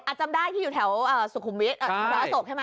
อาจจะมได้ที่อยู่แถวสุขุมวิกแหละเปอรสสกใช่ไหม